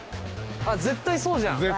絶対そうじゃん。